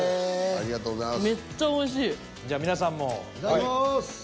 ありがとうございます。